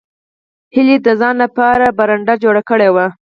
هیلې د ځان لپاره برنډه جوړه کړې وه